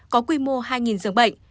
có quy mô hai giường bệnh